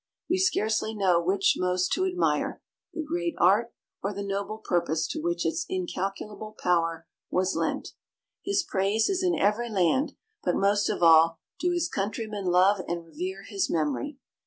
We scarcely know which most to admire, the great art, or the noble purpose to which its incalculable power was lent. His praise is in every land, but most of all do his countrymen love and revere his memory.